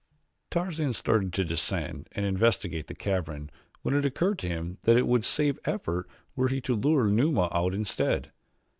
Tarzan started to descend and investigate the cavern when it occurred to him that it would save effort were he to lure Numa out instead.